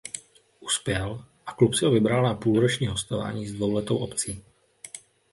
Uspěl a klub si ho vybral na půlroční hostování s dvouletou opcí.